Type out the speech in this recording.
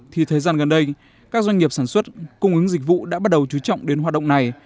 thì thời gian gần đây các doanh nghiệp sản xuất cung ứng dịch vụ đã bắt đầu chú trọng đến hoạt động này